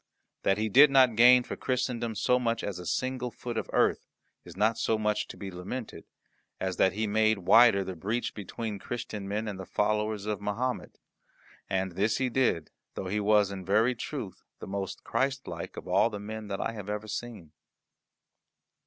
That he did not gain for Christendom so much as a single foot of earth is not so much to be lamented, as that he made wider the breach between Christian men and the followers of Mahomet. And this he did, though he was in very truth the most Christlike of all the men that I have ever seen.